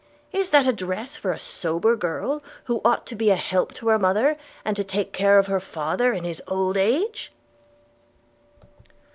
is that a dress for a sober girl, who ought to be a help to her mother, and to take care of her father in his old age?'